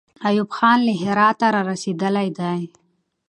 ایوب خان له هراته را رسېدلی دی.